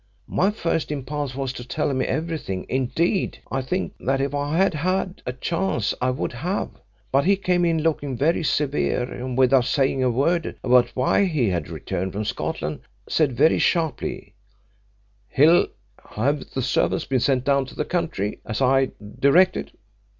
My first impulse was to tell him everything indeed, I think that if I had had a chance I would have but he came in looking very severe, and without saying a word about why he had returned from Scotland, said very sharply, 'Hill, have the servants been sent down to the country, as I directed?'